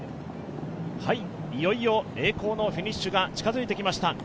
いよいよ栄光のフィニッシュが近づいてきました。